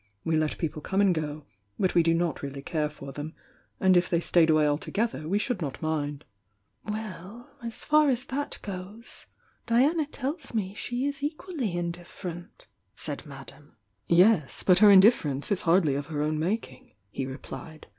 We let people come and go, — but we do not really care for them, and if they stayed away altogether we should not mind." "Well, as far as that goes, Diana tdls mo she is equally indifferent," said Madame. 896 THE YOUNG DIANA "Yes,— but her indifference is hardly of her own making," he replied.